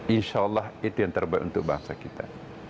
insya allah itu yang terbaik untuk bangsa kita